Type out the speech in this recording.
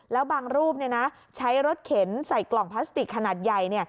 แล้วบางรูปใช้รถเข็นใส่กล่องพลาสติกขนาดใหญ่